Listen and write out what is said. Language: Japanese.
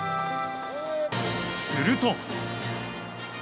すると。